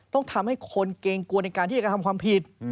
ต้องทำให้คนเกรงกลัวในการที่จะกระทำความผิด